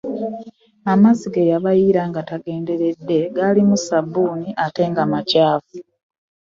Amazzi ge yabayiira nga tagenderedde gaalimu sabbuuni ate nga makyafu.